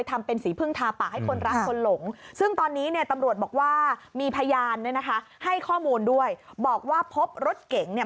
ทรอบทรวย์โมนด้วยบอกว่าพบรถเก๋งเนี่ย